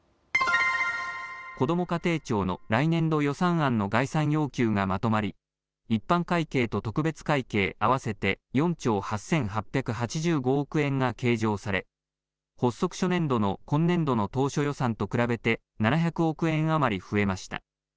こども家庭庁の来年度予算案の概算要求がまとまり一般会計と特別会計合わせて４兆８８８５億円が計上され発足初年度の今年度の当初予算と比べて７００億円余り増えました。